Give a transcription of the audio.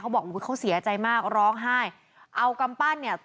บอกอุ้ยเขาเสียใจมากร้องไห้เอากำปั้นเนี่ย